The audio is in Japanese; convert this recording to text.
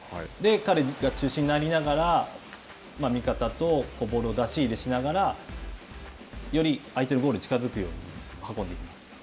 彼が中心になりながら、味方と出し入れしながらより相手のゴールに近づくように運んでいくんです。